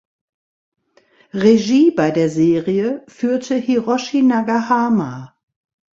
Regie bei der Serie führte Hiroshi Nagahama.